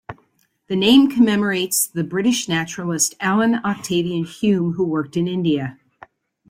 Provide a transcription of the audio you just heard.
The name commemorates the British naturalist Allan Octavian Hume who worked in India.